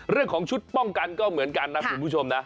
เรื่องของชุดป้องกันก็เหมือนกันนะคุณผู้ชมนะ